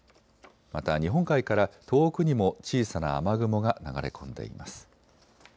また日本海から東北にも小さな雨雲が流れ込んでいます。